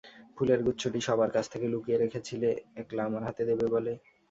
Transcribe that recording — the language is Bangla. ফুলের গুচ্ছটি সবার কাছ থেকে লুকিয়ে রেখেছিলে একলা আমার হাতে দেবে বলে।